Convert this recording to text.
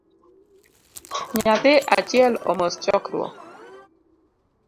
Nyathi achiel omos chokruok